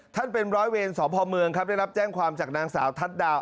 เป็นร้อยเวรสพเมืองครับได้รับแจ้งความจากนางสาวทัศน์ดาว